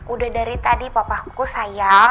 udah dari tadi papaku sayang